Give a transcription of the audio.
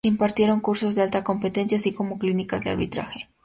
Se impartieron cursos de alta competencia así como clínicas de arbitraje.